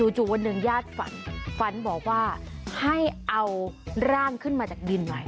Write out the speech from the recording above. วันหนึ่งญาติฝันฝันบอกว่าให้เอาร่างขึ้นมาจากดินหน่อย